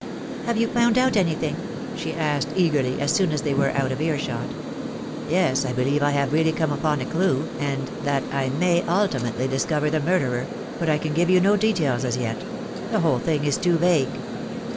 "Have you found out anything?" she asked, eagerly, as soon as they were out of ear shot. "Yes, I believe I have really come upon a clue, and that I may ultimately discover the murderer; but I can give you no details as yet — the whole thing is too vague."